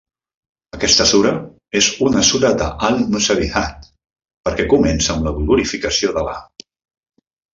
Aquesta sura és una sura d'Al-Musabbihat perquè comença amb la glorificació d'Al·là.